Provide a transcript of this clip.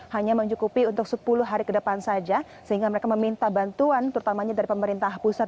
hanya mencukupi untuk sepuluh hari ke depan saja sehingga mereka meminta bantuan terutamanya dari pemerintah pusat